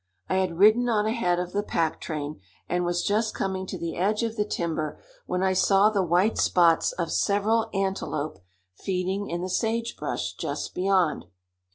I had ridden on ahead of the pack train, and was just coming to the edge of the timber when I saw the white spots of several antelope feeding in the sage brush just beyond.